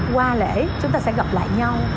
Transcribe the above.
qua lễ chúng ta sẽ gặp lại nhau